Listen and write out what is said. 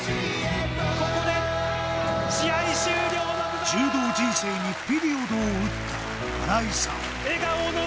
ここで試合終了のブザー柔道人生にピリオドを打った新井さん